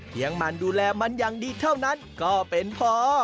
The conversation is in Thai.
ยังมันดูแลมันอย่างดีเท่านั้นก็เป็นพอ